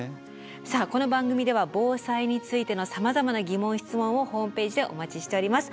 さあこの番組では防災についてのさまざまな疑問・質問をホームページでお待ちしております。